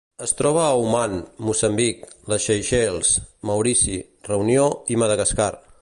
Es troba a Oman, Moçambic, les Seychelles, Maurici, Reunió i Madagascar.